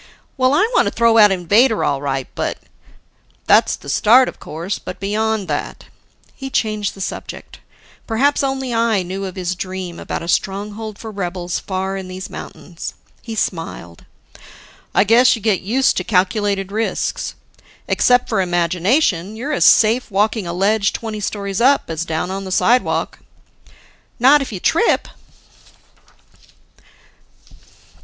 "Well, I want to throw out Invader, all right, but " "That's the start, of course, but beyond that " He changed the subject: perhaps only I knew of his dream about a stronghold for rebels far in these mountains. He smiled. "I guess you get used to calculated risks. Except for imagination, you're as safe walking a ledge twenty stories up, as down on the sidewalk." "Not if you trip."